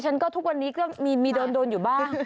ฉันก็ทุกวันนี้ก็มีโดนอยู่บ้าง